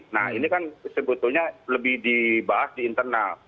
nah ini kan sebetulnya lebih dibahas di internal